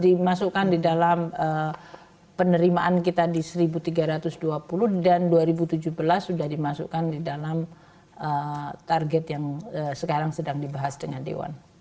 dimasukkan di dalam penerimaan kita di satu tiga ratus dua puluh dan dua ribu tujuh belas sudah dimasukkan di dalam target yang sekarang sedang dibahas dengan dewan